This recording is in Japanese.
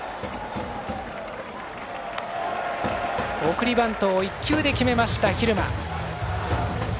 送りバントを１球で決めました蛭間。